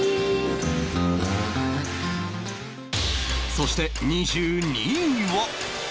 そして２２位は